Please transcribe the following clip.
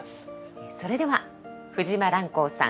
それでは藤間蘭黄さん